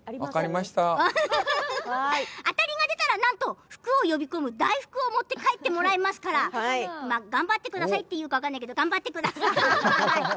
当たりが出たら福を呼び込む大福を持って帰ってもらいますから頑張ってくださいというか頑張ってください。